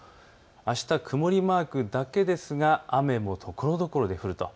あした曇りマークだけですが雨もところどころ降ると。